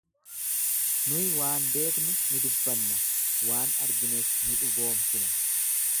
Nuyi waan beeknu ni dubbanna, waan argines ni dhugoomsina.